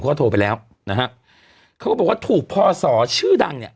เขาโทรไปแล้วนะฮะเขาก็บอกว่าถูกพอสอชื่อดังเนี่ย